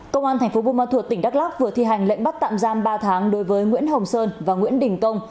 công an tp bumathuot tỉnh đắk lắk vừa thi hành lệnh bắt tạm giam ba tháng đối với nguyễn hồng sơn và nguyễn đình công